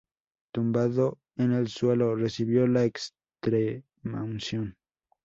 Tumbado en el suelo, recibió la extremaunción.